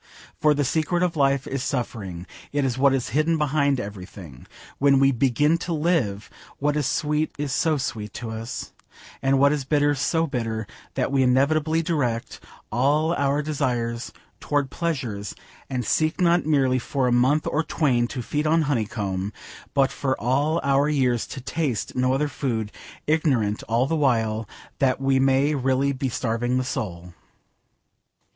For the secret of life is suffering. It is what is hidden behind everything. When we begin to live, what is sweet is so sweet to us, and what is bitter so bitter, that we inevitably direct all our desires towards pleasures, and seek not merely for a 'month or twain to feed on honeycomb,' but for all our years to taste no other food, ignorant all the while that we may really be starving the soul.